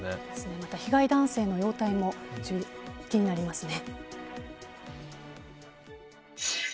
また被害男性の容体も気になりますね。